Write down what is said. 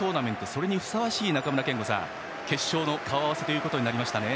それにふさわしい中村憲剛さん決勝の顔合わせとなりましたね。